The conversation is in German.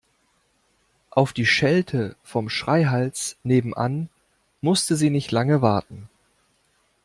Auf die Schelte vom Schreihals nebenan musste sie nicht lange warten.